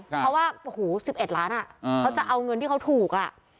เพราะว่าโอ้โหสิบเอ็ดล้านอ่ะเขาจะเอาเงินที่เขาถูกอ่ะ